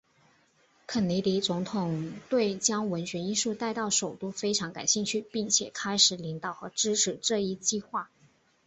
肯尼迪总统对将文学艺术带到首都非常感兴趣并且开始领导和支持这一计划。